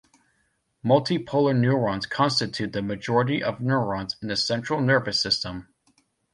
Multipolar neurons constitute the majority of neurons in the central nervous system.